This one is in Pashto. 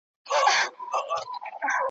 په خپل ځان دي رحم وکړه اې عادله